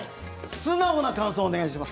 素直な感想をお願いします。